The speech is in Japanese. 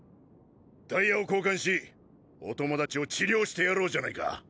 タイヤを交換しお友達を治療してやろうじゃないか。